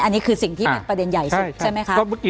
อันนี้คือสิ่งที่เป็นประเด็นใหญ่สุดใช่ไหมคะ